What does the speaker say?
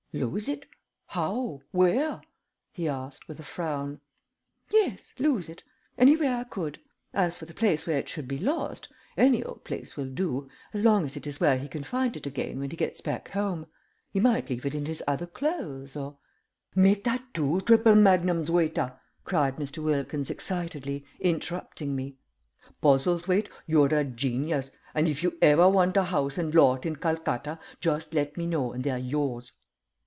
"Lose it? How? Where?" he asked, with a frown. "Yes. Lose it. Any way I could. As for the place where it should be lost, any old place will do as long as it is where he can find it again when he gets back home. He might leave it in his other clothes, or " "Make that two triple magnums, waiter," cried Mr. Wilkins, excitedly, interrupting me. "Postlethwaite, you're a genius, and if you ever want a house and lot in Calcutta, just let me know and they're yours."